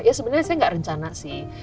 ya sebenarnya saya nggak rencana sih